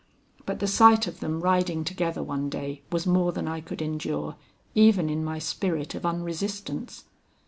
But the sight of them riding together one day, was more than I could endure even in my spirit of unresistance.